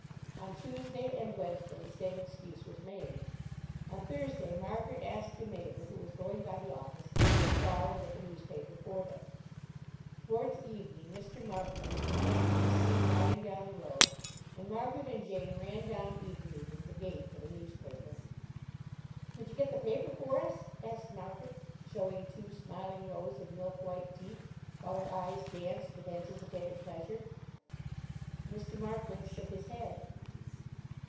On Tuesday and Wednesday, the same excuse was made. On Thursday, Margaret asked a neighbour, who was going by the office, to call and get the newspaper for them. Towards evening, Mr Markland, the neighbour, was seen riding down the road, and Margaret and Jane ran down eagerly to the gate for the newspaper. "Did you get the paper for us?" asked Margaret, showing two smiling rows of milk white teeth, while her eyes danced with anticipated pleasure. Mr. Markland shook his head.